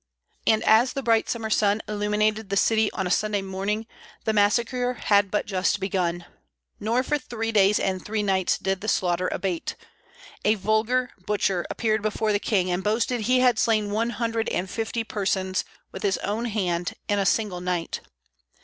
And as the bright summer sun illuminated the city on a Sunday morning the massacre had but just begun; nor for three days and three nights did the slaughter abate. A vulgar butcher appeared before the King and boasted he had slain one hundred and fifty persons with his own hand in a single night.